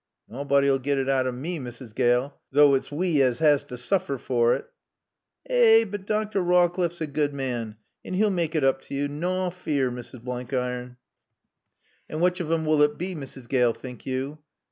"Nawbody'll get it out of mae, Mrs. Gale, though it's wae as 'as to sooffer for 't." "Eh, but Dr. Rawcliffe's a good maan, and 'e'll mak' it oop to yo', naw feear, Mrs. Blenkiron." "And which of 'em will it bae, Mrs. Gaale, think you?"